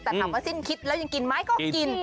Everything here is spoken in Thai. แต่ถามว่าสิ้นคิดแล้วยังกินไหมก็กิน